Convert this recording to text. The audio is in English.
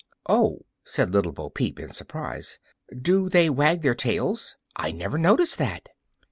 "Oh," said Little Bo Peep, in surprise, "do they wag their tails? I never noticed that!"